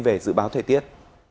về dự báo thời tiết